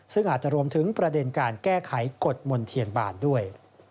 ซึ่งอาจจะรวมถึงประเด็นการแก้ไขกฎมนเทียนบานด้วย